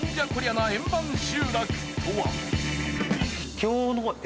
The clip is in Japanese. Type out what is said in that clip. な円盤集落とは？